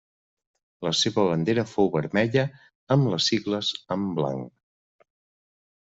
La seva bandera fou vermella amb les sigles amb blanc.